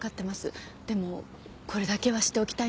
でもこれだけはしておきたいんです。